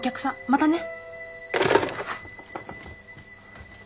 またね。